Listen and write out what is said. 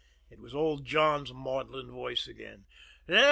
it was old John's maudlin voice again.